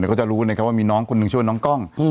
ก็จะรู้นะครับว่ามีน้องคนหนึ่งชื่อว่าน้องกล้อง